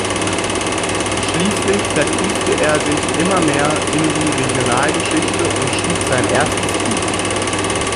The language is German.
Schließlich vertiefte er sich immer mehr in die Regionalgeschichte und schrieb sein erstes Buch.